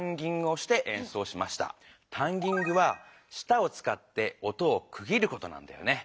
タンギングはしたをつかって音をく切ることなんだよね。